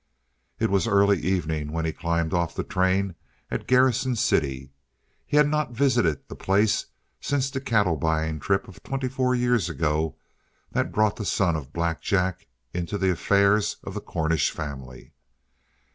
It was early evening when he climbed off the train at Garrison City. He had not visited the place since that cattle buying trip of twenty four years ago that brought the son of Black Jack into the affairs of the Cornish family.